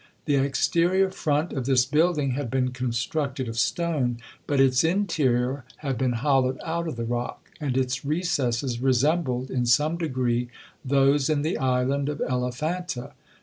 The exterior front of this building had been constructed of stone, but its interior had been hollowed out of the rock; and its recesses resembled, in some degree, those in the island of Elephanta.